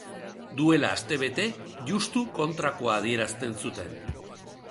Duela astebete justu kontrakoa adierazten zuten.